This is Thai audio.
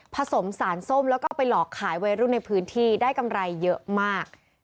สารส้มแล้วก็เอาไปหลอกขายวัยรุ่นในพื้นที่ได้กำไรเยอะมาก